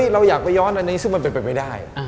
เราอยากไปย้อนอันนี้ซึ่งมันเป็นไปไม่ได้